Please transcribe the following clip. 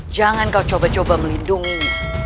jangan kau coba coba melindungi